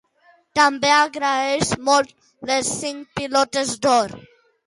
També agraeix molt les cinc Pilotes d'Or.